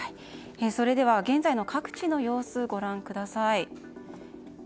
それでは現在の各地の様子をご覧ください。